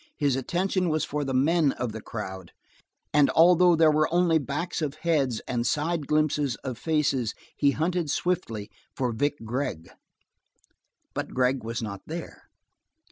His attention was for the men of the crowd. And although there were only backs of heads, and side glimpses of faces he hunted swiftly for Vic Gregg. But Gregg was not there.